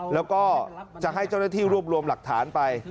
แล้วก็จะให้เจ้าหน้าที่รวบรวมหลักฐานไป